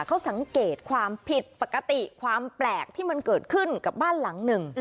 เขาสังเกตความผิดปกติความแปลกที่มันเกิดขึ้นกับบ้านหลังหนึ่ง